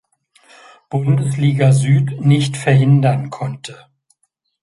Bundesliga Süd nicht verhindern konnte.